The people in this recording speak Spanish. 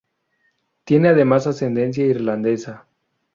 Tiene además ascendencia irlandesa.